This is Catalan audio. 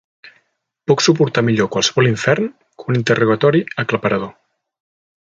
Puc suportar millor qualsevol infern que un interrogatori aclaparador.